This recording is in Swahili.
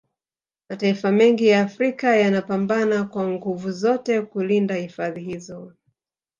Mataifa mengi ya Afrika yanapambana kwa nguvu zote kulinda hifadhi hizo